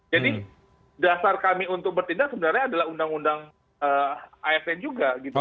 jadi dasar kami untuk bertindak sebenarnya adalah undang undang asn juga gitu